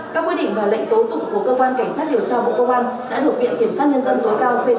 các quyết định và lệnh tố tụng của cơ quan cảnh sát điều tra bộ công an đã được viện kiểm soát nhân dân tối cao phê chuẩn theo quy định